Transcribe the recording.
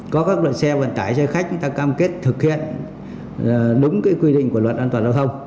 có các loại xe vận tải xe khách người ta cam kết thực hiện đúng quy định của luật an toàn giao thông